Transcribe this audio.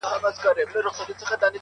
دا چي مي تر سترګو میکده میکده کيږې,